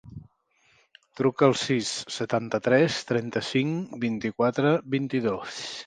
Truca al sis, setanta-tres, trenta-cinc, vint-i-quatre, vint-i-dos.